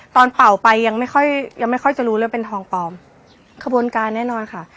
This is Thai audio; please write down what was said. เป่าไปยังไม่ค่อยยังไม่ค่อยจะรู้เรื่องเป็นทองปลอมขบวนการแน่นอนค่ะ